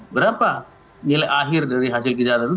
berapa nilai akhir dari hasil kejahatan itu